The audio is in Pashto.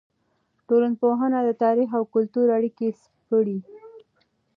ټولنپوهنه د تاریخ او کلتور اړیکه سپړي.